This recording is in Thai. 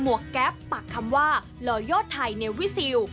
หมวกแก๊ปปักคำว่าลอยโยทไทยเนววิซิล